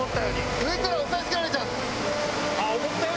上から押さえ付けられちゃう。